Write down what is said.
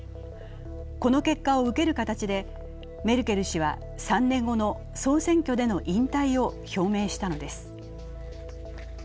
この結果を受ける形で、メルケル氏は３年後の総選挙での引退を表明したのです。